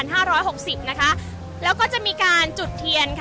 อาจจะออกมาใช้สิทธิ์กันแล้วก็จะอยู่ยาวถึงในข้ามคืนนี้เลยนะคะ